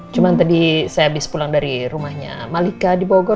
cuma tadi saya habis pulang dari rumahnya malika di bogor